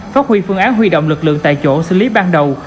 phát huy phương án huy động lực lượng tại chỗ xử lý ban đầu